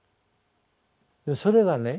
それがね